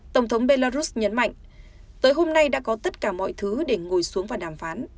tổng thống belarus nhấn mạnh tới hôm nay đã có tất cả mọi thứ để ngồi xuống và đàm phán